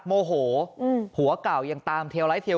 โมโหหมือผัวเก่ายังตามเทียลไลท์ที่